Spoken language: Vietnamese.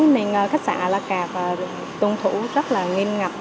nên khách sạn alacard tuân thủ rất nghiên ngập